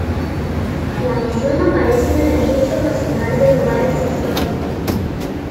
La misión aparece en el Registro Nacional de Lugares Históricos.